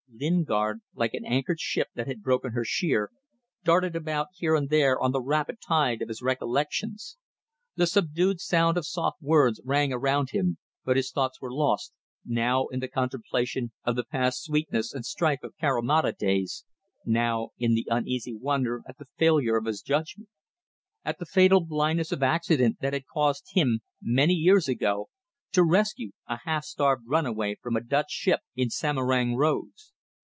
Lingard, like an anchored ship that had broken her sheer, darted about here and there on the rapid tide of his recollections. The subdued sound of soft words rang around him, but his thoughts were lost, now in the contemplation of the past sweetness and strife of Carimata days, now in the uneasy wonder at the failure of his judgment; at the fatal blindness of accident that had caused him, many years ago, to rescue a half starved runaway from a Dutch ship in Samarang roads.